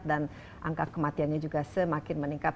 dan angka kematiannya juga semakin meningkat